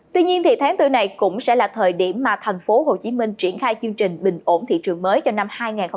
tuy nhiên thì tháng bốn này cũng sẽ là thời điểm mà thành phố hồ chí minh triển khai chương trình bình ổn thị trường mới cho năm hai nghìn hai mươi hai